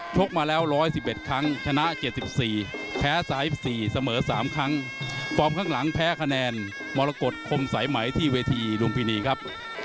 กมาแล้ว๑๑๑ครั้งชนะ๗๔แพ้๓๔เสมอ๓ครั้งฟอร์มข้างหลังแพ้คะแนนมรกฏคมสายไหมที่เวทีลุมพินีครับ